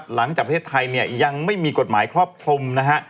หลังจากประเทศไทยยังไม่มีกฎหมายครอบครม